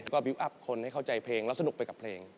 ก็บิวอัพคนให้เข้าใจเพลงแล้วสนุกไปกับเพลง